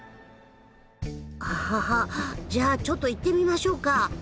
アハハじゃあちょっと行ってみましょうか。